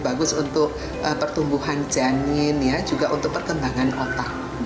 bagus untuk pertumbuhan janin ya juga untuk perkembangan otak